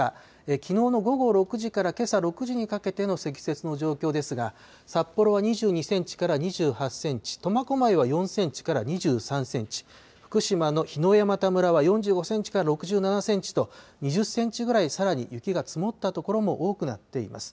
きのうの午後６時からけさ６時にかけての積雪の状況ですが、札幌は２２センチから２８センチ、苫小牧は４センチから２３センチ、福島の桧枝岐村は４５センチから６７センチと、２０センチぐらいさらに雪が積もった所も多くなっています。